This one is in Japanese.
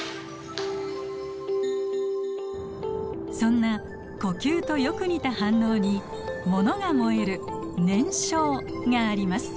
そんな呼吸とよく似た反応にものが燃える燃焼があります。